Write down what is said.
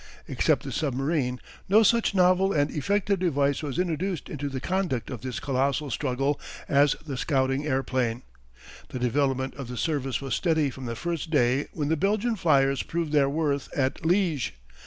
Except the submarine, no such novel and effective device was introduced into the conduct of this colossal struggle as the scouting airplane. The development of the service was steady from the first day when the Belgian flyers proved their worth at Liège.